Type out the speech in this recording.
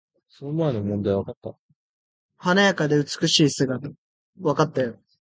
華やかで美しい姿。